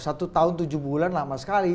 satu tahun tujuh bulan lama sekali